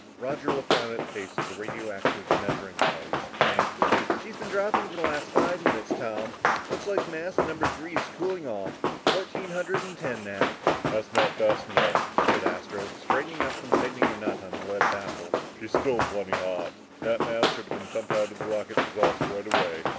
Roger looked down at the face of the radioactive measuring device and answered, "She's been dropping for the last five minutes, Tom. Looks like the mass in number three is cooling off. Fourteen hundred and ten now." "That's not fast enough," said Astro, straightening up from tightening a nut on the lead baffle. "She's still plenty hot. That mass should have been dumped out of the rocket exhaust right away.